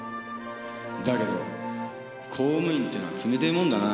だけど公務員ってのは冷てえもんだな。